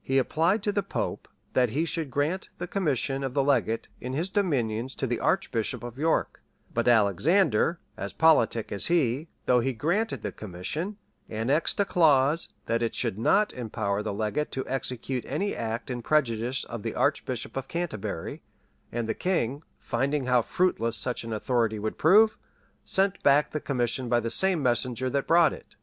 He applied to the pope that he should grant the commission of legate in his dominions to the archbishop of York; but Alexander, as politic as he, though he granted the commission, annexed a clause, that it should not empower the legate to execute any act in prejudice of the archbishop of Canterbury: and the king, finding how fruitless such an authority would prove, sent back the commission by the same messenger that brought it.